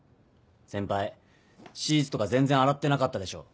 先輩シーツとか全然洗ってなかったでしょ。